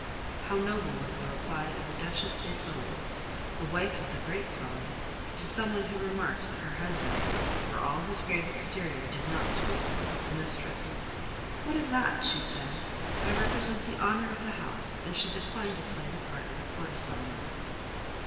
How noble was the reply of the Duchesse de Sully, the wife of the great Sully, to some one who remarked that her husband, for all his grave exterior, did not scruple to keep a mistress. "What of that?" she said. "I represent the honor of the house, and should decline to play the part of a courtesan there."